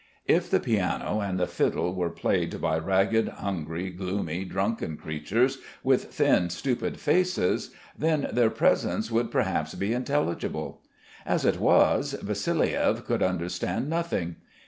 If the piano and the fiddle were played by ragged, hungry, gloomy, drunken creatures, with thin stupid faces, then their presence would perhaps be intelligible. As it was, Vassiliev could understand. nothing.